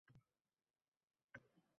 Shunga bir nazar tashlasak.